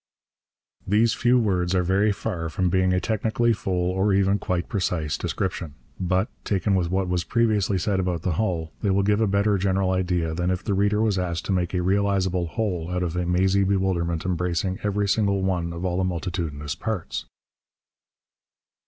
These few words are very far from being a technically full, or even quite precise, description. But, taken with what was previously said about the hull, they will give a better general idea than if the reader was asked to make a realizable whole out of a mazy bewilderment embracing every single one of all the multitudinous parts.